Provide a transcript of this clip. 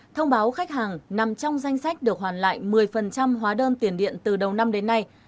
thông báo khách hàng nằm trong danh sách được hoàn lại một mươi hóa đơn tiền điện từ đầu năm đến nay